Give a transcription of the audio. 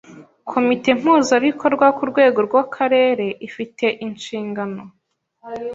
Komite Mpuzabikorwa ku rwego rw’Akarere ifi te inshingano